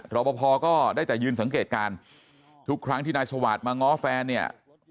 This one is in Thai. รอปภก็ได้แต่ยืนสังเกตการณ์ทุกครั้งที่นายสวาสตมาง้อแฟนเนี่ย